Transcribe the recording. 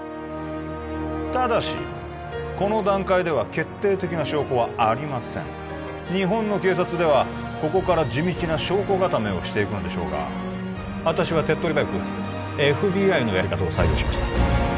ただしこの段階では決定的な証拠はありません日本の警察ではここから地道な証拠固めをしていくのでしょうが私は手っとり早くＦＢＩのやり方を採用しました